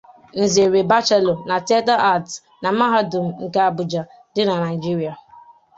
O nwetara nzere bachelọ na Theater Art na mahadum nke Abuja, dị na Naijiria.